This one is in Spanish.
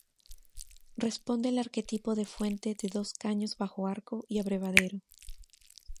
Responde al arquetipo de fuente de dos caños bajo arco y abrevadero.